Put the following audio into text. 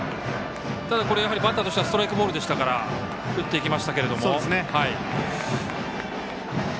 バッターとしてはストライクボールでしたから打っていきましたけど。